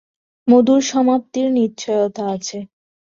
মধুর সমাপ্তির নিশ্চয়তা আছে!